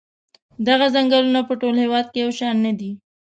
دغه څنګلونه په ټول هېواد کې یو شان نه دي.